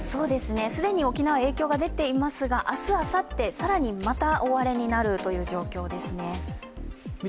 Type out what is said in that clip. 既に沖縄、影響が出ていますが、明日、あさって更にまた大荒れにという状況ですね。